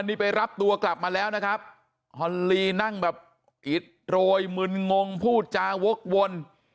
นี่ไปรับตัวกลับมาแล้วนะครับฮอลลีนั่งแบบอิดโรยมึนงงพูดจาวกวน